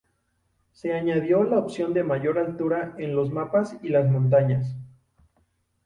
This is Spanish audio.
Se añadió la opción de mayor altura en los mapas y las montañas.